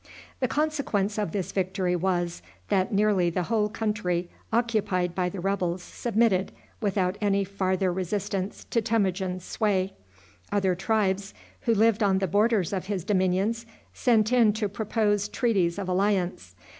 The consequence of this victory was, that nearly the whole country occupied by the rebels submitted without any farther resistance to Temujin's sway. Other tribes, who lived on the borders of his dominions, sent in to propose treaties of alliance.